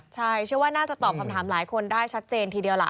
ใช่เชื่อว่าน่าจะตอบคำถามหลายคนได้ชัดเจนทีเดียวล่ะ